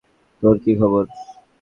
তোর কী খবর?